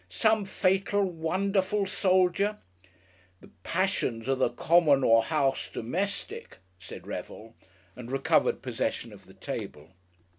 Some fatal, wonderful soldier " "The passions of the common or house domestic," said Revel, and recovered possession of the table.